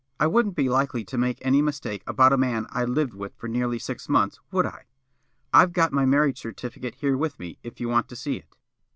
I wouldn't be likely to make any mistake about a man I'd lived with for nearly six months, would I? I've got my marriage certificate here with me, if you want to see it."